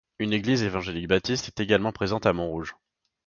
Une église évangélique baptiste est également présente à Montrouge.